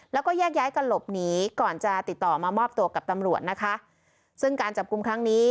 แล้วก็แยกย้ายกันหลบหนีก่อนจะติดต่อมามอบตัวกับตำรวจนะคะซึ่งการจับกลุ่มครั้งนี้